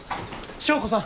祥子さん！